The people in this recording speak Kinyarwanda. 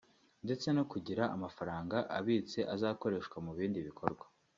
ndetse no kugira amafaraga abitse azakoreshwa mu bindi bikorwa